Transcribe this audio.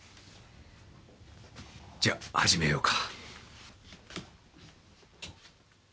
じゃ始めようか。